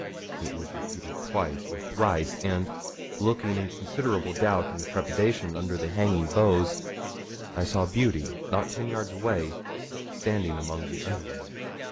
It was repeated twice or thrice, and, looking in considerable doubt and trepidation under the hanging boughs, I saw Beauty, not ten yards away, standing among the underwood.